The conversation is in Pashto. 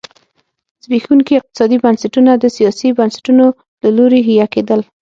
زبېښونکي اقتصادي بنسټونه د سیاسي بنسټونو له لوري حیه کېدل.